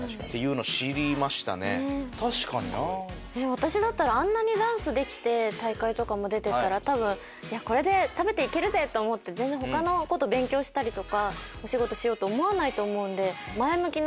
私だったらあんなにダンスできて大会とかも出てたらたぶんこれで食べていけるぜと思って全然他のこと勉強したりとかお仕事しようと思わないと思うんで。